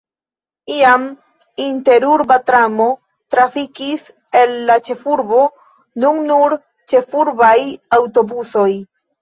Iam interurba tramo trafikis el la ĉefurbo, nun nur ĉefurbaj aŭtobusoj.